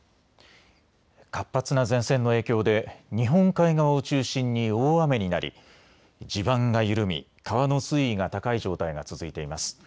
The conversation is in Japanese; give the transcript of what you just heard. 活発な前線の影響で日本海側を中心に大雨になり地盤が緩み川の水位が高い状態が続いています。